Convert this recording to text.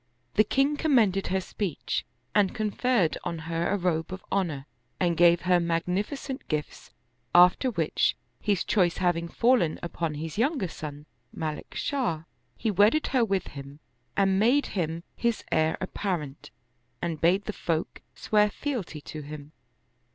The king commended her speech, and conferred on her a robe of honor and gave her magnificent gifts; after which, his choice having fallen upon his younger son, Malik Shah, he wedded her with him and made him his heir apparent and bade the folk swear fealty to him.